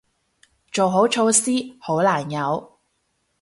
做好措施，好難有